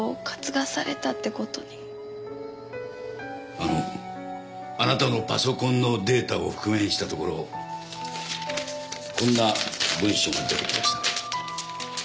あのあなたのパソコンのデータを復元したところこんな文書が出てきました。